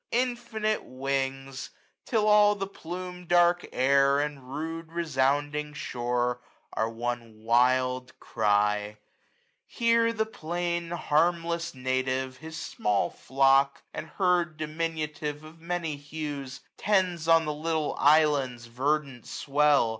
Infinite wings! till all the plume dark air. And rude resounding shore, are one wild cry. X iS4, AUTUMN. Here the plain harmless native, his small flock. And herd diminutive of many hues, 87a Tends on the little island's verdant swell.